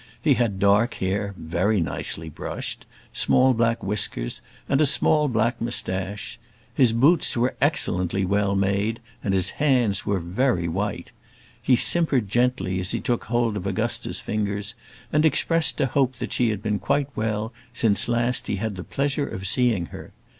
He had dark hair, very nicely brushed, small black whiskers, and a small black moustache. His boots were excellently well made, and his hands were very white. He simpered gently as he took hold of Augusta's fingers, and expressed a hope that she had been quite well since last he had the pleasure of seeing her.